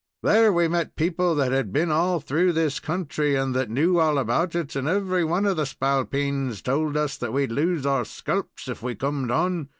There we met people that had been all through this country and that knew all about it, and every one of the spalpeens told us that we'd lose our sculps if we comed on.